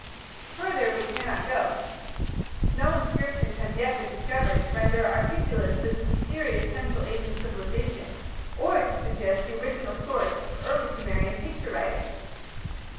Further we cannot go. No inscriptions have yet been discovered to render articulate this mysterious Central Asian civilization, or to suggest the original source of early Sumerian picture writing.